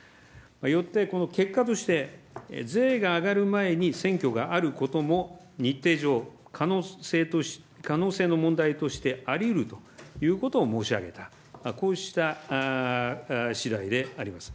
よってこの結果として、税が上がる前に選挙があることも日程上、可能性の問題としてありうるということを申し上げた、こうしたしだいであります。